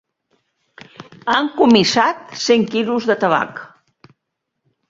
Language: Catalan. Han comissat cent quilos de tabac.